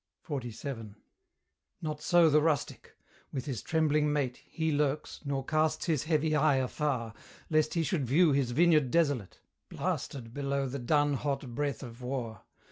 XLVII. Not so the rustic: with his trembling mate He lurks, nor casts his heavy eye afar, Lest he should view his vineyard desolate, Blasted below the dun hot breath of war.